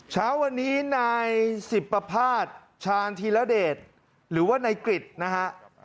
เช้าวันนี้นายจิปราพาชชาญธิเวราเดศหรือว่านายกริจนะฮะ